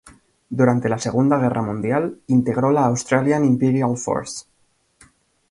Durante la Segunda Guerra Mundial integró la Australian Imperial Force.